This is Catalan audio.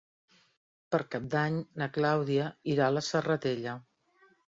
Per Cap d'Any na Clàudia irà a la Serratella.